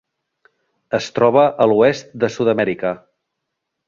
Es troba a l'oest de Sud-amèrica.